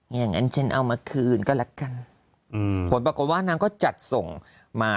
อย่างนั้นฉันเอามาคืนก็แล้วกันอืมผลปรากฏว่านางก็จัดส่งมา